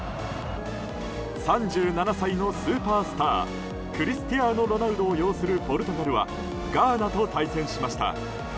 ３７歳のスーパースタークリスティアーノ・ロナウドを擁するポルトガルはガーナと対戦しました。